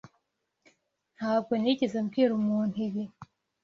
Ntabwo nigeze mbwira umuntu ibi.